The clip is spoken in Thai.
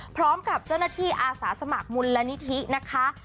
พร้อมกับเจ้าหน้าที่อาสาสมัครมูลนิธินะคะ